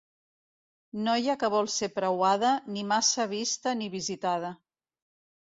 Noia que vol ser preuada, ni massa vista ni visitada.